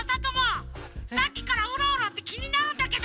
さっきからウロウロってきになるんだけど！